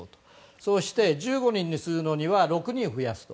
そうして、１５人にするのには６人増やすと。